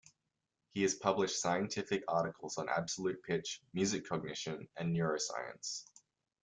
He has published scientific articles on absolute pitch, music cognition, and neuroscience.